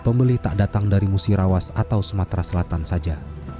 pembeli tak datang dari musirawas atau sumatera selatan saja